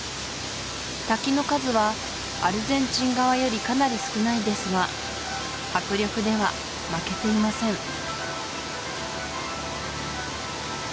滝の数はアルゼンチン側よりかなり少ないですが迫力では負けていません